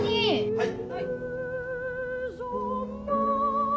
はい。